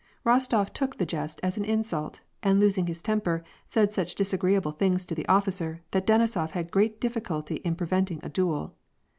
Rostof took the jest as an insult, and, losing his temper, said such disagreeable things to the officer, that Denisof had great difficulty in preventing a duel.